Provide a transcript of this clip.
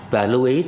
và lưu ý